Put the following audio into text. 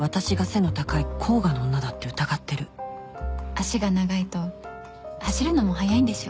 脚が長いと走るのも速いんでしょ？